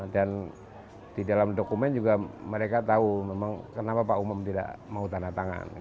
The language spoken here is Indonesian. dan di dalam dokumen juga mereka tahu memang kenapa pak umum tidak mau tanda tangan